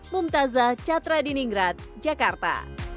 mumtazah catra di ninggrat jakarta